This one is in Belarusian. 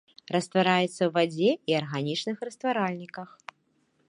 Раствараецца ў вадзе і арганічных растваральніках.